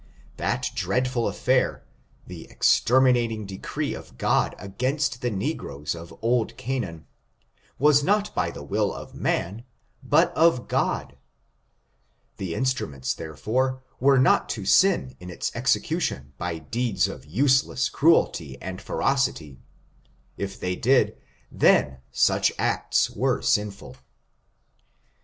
That dreadful affair, the exterminating decree of God against the negroes of old Canaan, was not by the will of man, but of God ; the instruments, therefore, were not to sin in its execution by deeds of tiseless eruelty and ferocity; if they did, then such acts were sinful.